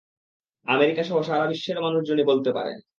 আমেরিকাসহ সারা বিশ্বের মানুষজনই বলতে পারেন।